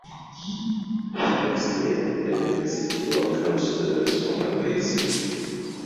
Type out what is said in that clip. The next year, the university welcomed students from Malaysia.